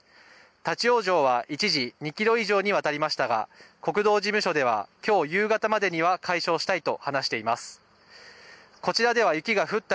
立往生は一時２キロ以上にわたりましたが国道事務所ではきょう夕方までには解消したいと話していました。